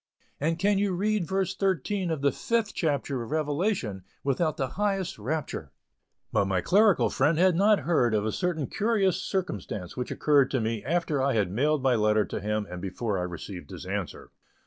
And can you read verse thirteen of the Fifth chapter of Revelation without the highest rapture?" But my clerical friend had not heard of a certain curious circumstance which occurred to me after I had mailed my letter to him and before I received his answer.